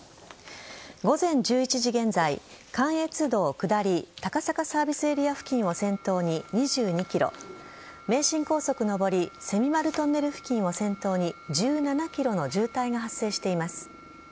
午前１１時現在関越道下り高坂サービスエリア付近を先頭に２２ｋｍ名神高速上り蝉丸トンネル付近を先頭に１７ｋｍの渋滞が発生しています。